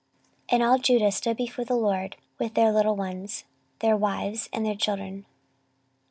14:020:013 And all Judah stood before the LORD, with their little ones, their wives, and their children.